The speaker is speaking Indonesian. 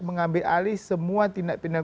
mengambil alih semua tindak pindahan